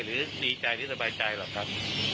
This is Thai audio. ดีใจหรือสบายใจหรอกครับ